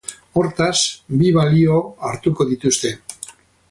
Hortaz, bi balio hartuko dituzte.